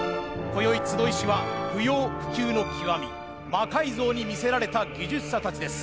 こよい集いしは不要不急の極み魔改造に魅せられた技術者たちです。